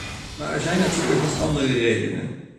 Maar er zijn natuurlijk nog andere redenen.